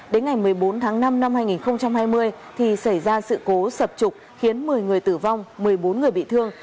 đến ngày một mươi bốn tháng năm năm hai nghìn hai mươi thì xảy ra sự cố sập trục khiến một mươi người tử vong một mươi bốn người bị thương